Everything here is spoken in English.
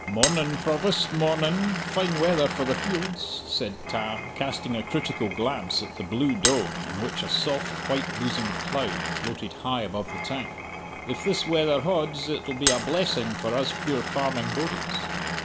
"Mornin', Provost, mornin'! Fine weather for the fields," said Tam, casting a critical glance at the blue dome in which a soft, white bosomed cloud floated high above the town. "If this weather hauds, it'll be a blessing for us poor farming bodies."